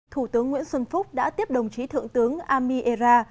thủ tướng nguyễn xuân phúc đã tiếp đồng chí thượng tướng ami era